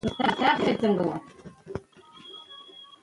مېوې د افغانستان د ځایي اقتصادونو بنسټ دی.